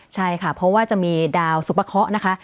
ใช่ค่ะเพราะว่าจะมีดาวสุปะเคาะนะคะ